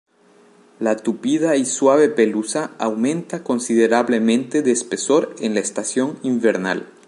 La tupida y suave pelusa aumenta considerablemente de espesor en la estación invernal.